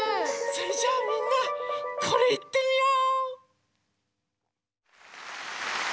それじゃあみんなこれいってみよう！